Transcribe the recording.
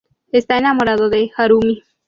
Está enamorado de Harumi.